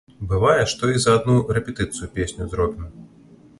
Бывае, што і за адну рэпетыцыю песню зробім.